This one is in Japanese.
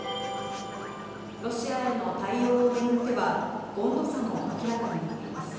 ロシアへの対応を巡っては、温度差も明らかになっています。